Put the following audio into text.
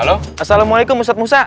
halo assalamualaikum ustaz musa